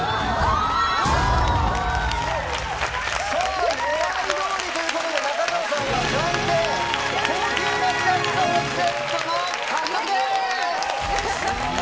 さあ、ねらいどおりということで、中条さんは、高級マスカットセットの獲得です。